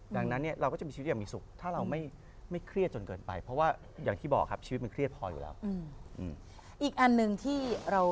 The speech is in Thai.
ดังนั้นเนี่ยเราก็จะมีชีวิตอย่างมีสุขถ้าเราไม่เครียดจนเกินไปเพราะว่าอย่างที่บอกครับชีวิตมันเครียดพออยู่แล้ว